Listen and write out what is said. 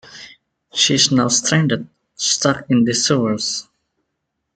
She is now stranded, stuck in the sewers.